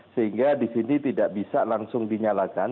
sehingga di sini tidak bisa langsung dinyalakan